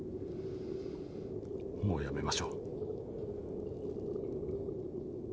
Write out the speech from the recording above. もうやめましょう。